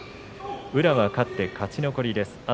宇良は勝って勝ち残りです。